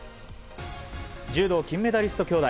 柔道金メダリスト兄妹